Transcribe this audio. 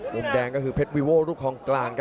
ลูกแดงก็คือเพชรวีโว่รุกของกลาง